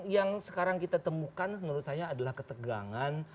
yang sekarang kita temukan menurut saya adalah ketegangan